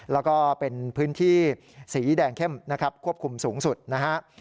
แล้วก็เป็นพื้นที่สีแดงเข้มนะครับควบคุมสูงสุดนะฮะ